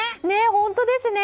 本当ですね。